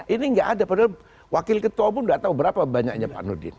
ini gak ada padahal wakil ketua pun gak tahu berapa banyaknya pak nurudin